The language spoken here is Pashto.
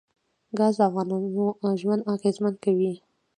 ګاز د افغانانو ژوند اغېزمن کوي.